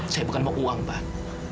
saya bukan mau uang pak